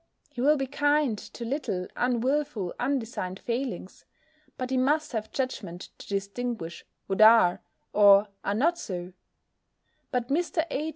He will be kind to little, unwilful, undesigned failings: but he must have judgment to distinguish what are or are not so. But Mr. H.'